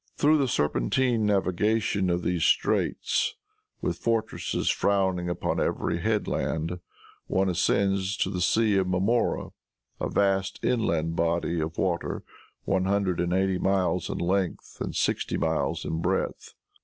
Through the serpentine navigation of these straits, with fortresses frowning upon every headland, one ascends to the Sea of Marmora, a vast inland body of water one hundred and eighty miles in length and sixty miles in breadth.